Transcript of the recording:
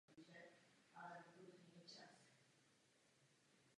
Na sklonku kariéry hájil barvy Spartaku Líšeň.